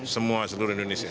semua seluruh indonesia